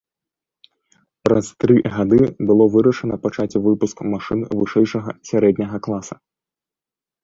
Праз тры гады было вырашана пачаць выпуск машын вышэйшага сярэдняга класа.